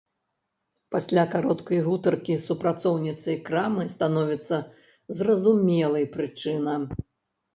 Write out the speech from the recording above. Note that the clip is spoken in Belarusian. Пасля кароткай гутаркі з супрацоўніцай крамы становіцца зразумелай прычына.